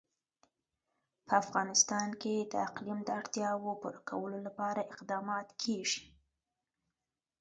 په افغانستان کې د اقلیم د اړتیاوو پوره کولو لپاره اقدامات کېږي.